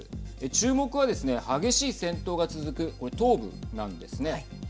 注目はですね、激しい戦闘が続くこれ東部なんですね。